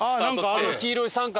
あの黄色い三角の。